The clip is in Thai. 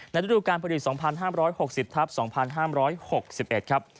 ในธุรการผลิต๒๕๖๐ทัพ๒๕๖๑ครับ